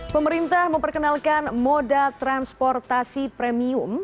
pemerintah memperkenalkan moda transportasi premium